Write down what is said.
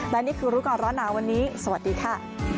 และนี่คือรู้ก่อนร้อนหนาวันนี้สวัสดีค่ะ